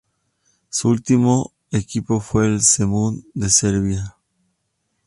Su último equipo fue el Zemun de Serbia.